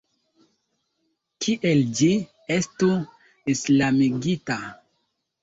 Kiel ĝi estu islamigita?